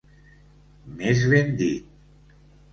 Més ben dit.